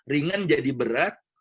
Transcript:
ringan jadi berat